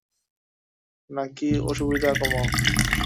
না, কি অসুবিধা, কমাও।